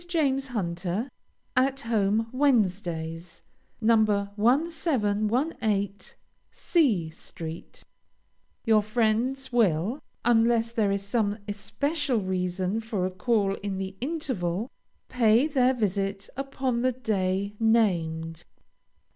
JAMES HUNTER. AT HOME WEDNESDAYS. No. 1718 C st. Your friends will, unless there is some especial reason for a call in the interval, pay their visit upon the day named.